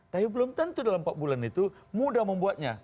tapi belum tentu dalam empat bulan itu mudah membuatnya